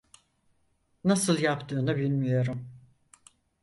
Nasıl yaptığını bilmiyorum.